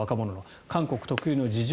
韓国特有の事情